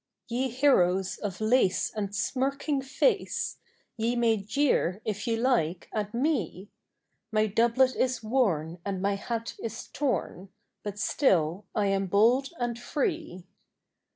Ye heroes of lace and smirking face. Ye may jeer, if ye like, at me; My doublet is worn and my hat is torn, But still I am bold and free.